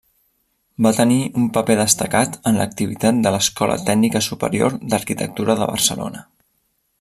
Va tenir un paper destacat en l’activitat de l’Escola Tècnica Superior d’Arquitectura de Barcelona.